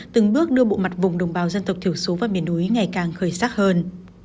từng bước đưa bộ mặt vùng đồng bào dân tộc thiểu số và miền núi ngày càng khởi sắc hơn